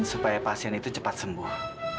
supaya pasien itu cepat sembuh